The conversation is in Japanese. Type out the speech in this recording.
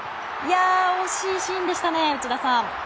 惜しいシーンでしたね内田さん。